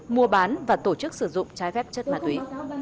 mua bán và tổ chức sử dụng trái phép chất ma túy